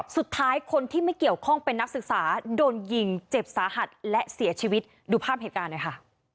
สุดท้ายคนที่ไม่เกี่ยวข้องเป็นนักศึกษาโดนยิงเจ็บสาหัสและเสียชีวิตดูภาพเหตุการณ์หน่อยค่ะ